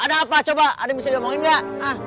ada apa coba ada bisa diomongin gak